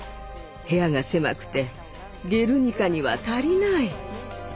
部屋が狭くて「ゲルニカ」には足りない。